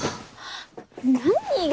何が！